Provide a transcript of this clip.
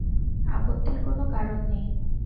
আপত্তির কোনো কারণ নেই।